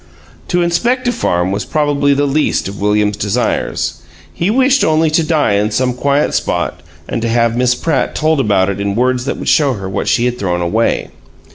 To inspect a farm was probably the least of William's desires. He wished only to die in some quiet spot and to have Miss Pratt told about it in words that would show her what she had thrown away.